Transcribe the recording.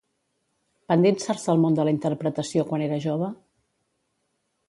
Va endinsar-se al món de la interpretació quan era jove?